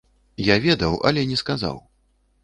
Я ведаў, але не сказаў!